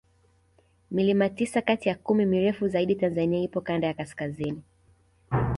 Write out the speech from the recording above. milima tisa Kati ya kumi mirefu zaidi tanzania ipo Kanda ya kaskazini